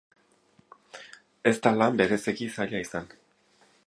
Ez da lan bereziki zaila izan.